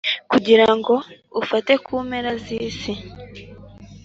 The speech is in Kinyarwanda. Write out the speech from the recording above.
kugira ngo ufate ku mpera z’isi